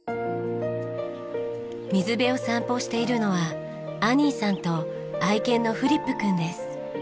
水辺を散歩しているのはアニーさんと愛犬のフリップ君です。